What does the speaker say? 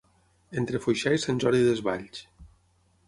Entre Foixà i Sant Jordi Desvalls.